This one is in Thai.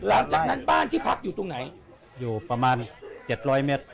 หลังจากนั้นบ้านที่พักอยู่ตรงไหนอยู่ประมาณ๗๐๐เมตร